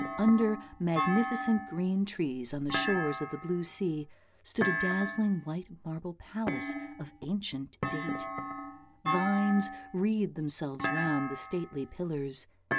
Under magnificent green trees on the shores of the blue sea stood a dazzling white marble palace of ancient date; vines wreathed themselves round the stately pillars.